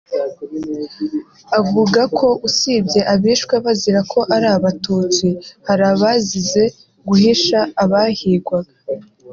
avuga ko usibye abishwe bazira ko ari abatutsi hari n’abazize guhisha abahigwaga